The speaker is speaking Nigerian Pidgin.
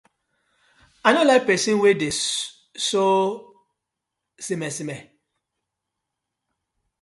I no like pesin we dey so smer smer.